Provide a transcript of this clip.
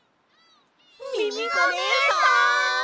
ミミコねえさん！